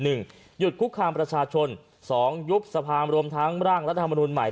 หนึ่งหยุดคุกคามประชาชนสองยุบสะพามรวมทั้งร่างรัฐธรรมนุมใหม่